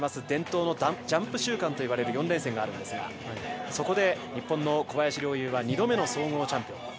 伝統のジャンプ週間という４連戦があるんですがそこで日本の小林陵侑は２度目の総合チャンピオン。